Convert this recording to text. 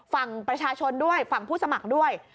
ฝั่งประชาชนด้วยฝั่งผู้สมัครด้วย